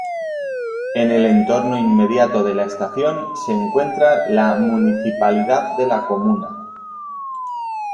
En el entorno inmediato de la estación, se encuentra la Municipalidad de la comuna.